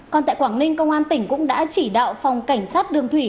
còn tại quảng ninh công an tỉnh cũng đã chỉ đạo phòng cảnh sát đường thủy